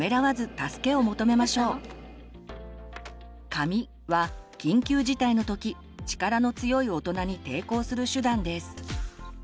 「かみ」は緊急事態のとき力の強い大人に抵抗する手段です。